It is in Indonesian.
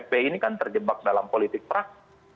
fpi ini kan terjebak dalam politik praks